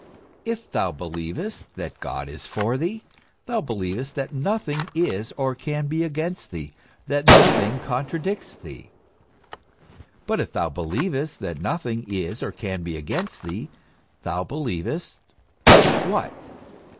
If thou believest that God is for thee, thou believest that nothing is or can be against thee, that nothing contradicts thee. But if thou believest that nothing is or can be against thee, thou be lievest what